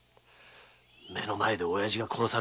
目の前で親父が殺されたんだからな。